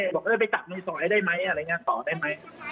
บอกเออไปจับมือซอยได้ไหมอะไรอย่างนี้ต่อได้ไหม